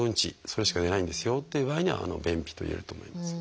それしか出ないんですよっていう場合には便秘といえると思います。